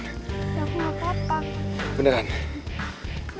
ya aku gak apa apa